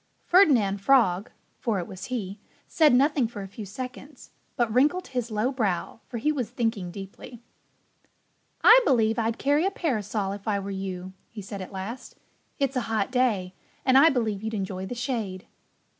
Ferdinand Frog (for it was he) said nothing for a few seconds, but wrinkled his low brow; for he was thinking deeply. "I believe I'd carry a parasol if I were you," he said at last. "It's a hot day and I believe you'd enjoy the shade."